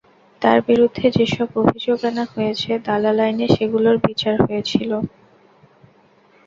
তাঁর বিরুদ্ধে যেসব অভিযোগ আনা হয়েছে, দালাল আইনে সেগুলোর বিচার হয়েছিল।